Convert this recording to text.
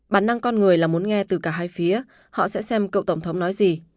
bản năng con người là muốn nghe từ cả hai phía họ sẽ xem cựu tổng thống nói gì